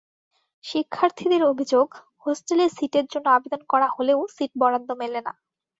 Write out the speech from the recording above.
শিক্ষার্থীদের অভিযোগ, হোস্টেলে সিটের জন্য আবেদন করা হলেও সিট বরাদ্দ মেলে না।